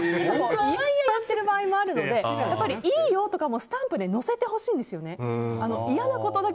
嫌々やってる場合もあるのでいいよとかもスタンプで載せてほしいんですよね。